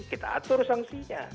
kita atur sanksinya